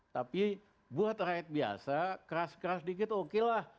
tapi buat rakyat biasa keras keras dikit okelah